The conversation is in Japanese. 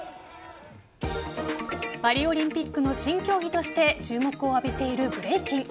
パリオリンピックの新競技として注目を浴びているブレイキン。